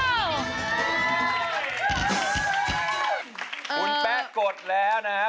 คุณแป๊ะกดแล้วนะครับ